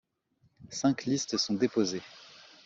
Cinq listes sont déposées.